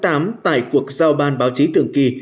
chiều năm tháng tám tại cuộc giao ban báo chí tường kỳ